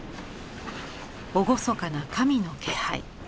厳かな神の気配。